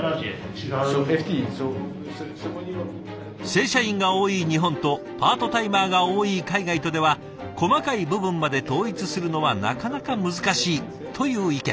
正社員が多い日本とパートタイマーが多い海外とでは細かい部分まで統一するのはなかなか難しいという意見。